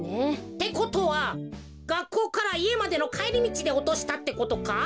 ってことはがっこうからいえまでのかえりみちでおとしたってことか？